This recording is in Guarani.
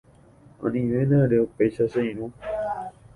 Anivéna ere upéicha che irũ